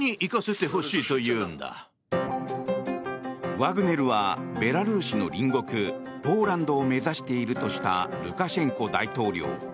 ワグネルはベラルーシの隣国ポーランドを目指しているとしたルカシェンコ大統領。